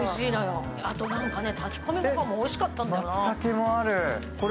あと、炊き込み御飯もおいしかったんだよな。